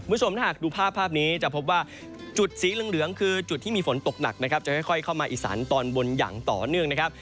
คุณผู้ชมถ้าหากดูภาพภาพนี้จะพบว่าจุดสีเหลืองคือจุดที่มีฝนตกหนักนะครับจะค่อยเข้ามาอีสานตอนบนอย่างต่อเนื่องนะครับ